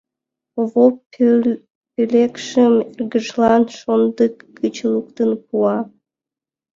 — Овоп пӧлекшым эргыжлан шондык гыч луктын пуа.